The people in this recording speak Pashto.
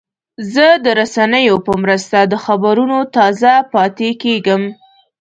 زه د رسنیو په مرسته د خبرونو تازه پاتې کېږم.